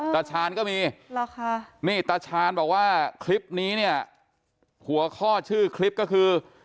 ตาชานก็มีทาชานบอกว่าคลิปนี้หัวข้อชื่อคลิปก็คือ